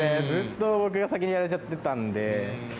ずっと僕が先にやられちゃってたんで。